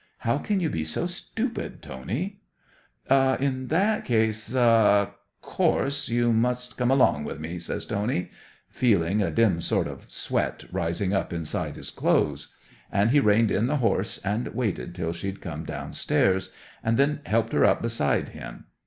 How can you be so stupid, Tony?" '"In that case—ah—of course you must come along wi' me," says Tony, feeling a dim sort of sweat rising up inside his clothes. And he reined in the horse, and waited till she'd come downstairs, and then helped her up beside him.